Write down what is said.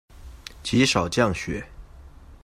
极少降雪。